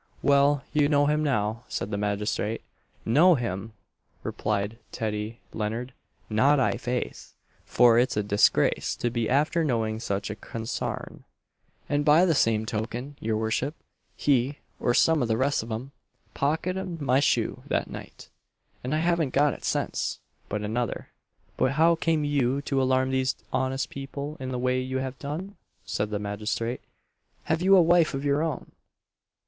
"Well, you know him now," said the magistrate. "Know him!" replied Teddy Leonard "not I faith, for it's a disgrace to be after knowing such a consarn; and by the same token, your worship, he, or some of the rest of 'em, pocketed my shoe that night and I hav'n't got it since, but another." "But how came you to alarm these honest people in the way you have done?" said the magistrate "have you a wife of your own?"